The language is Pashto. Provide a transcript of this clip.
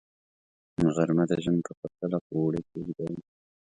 غرمه د ژمي په پرتله په اوړي کې اوږده وي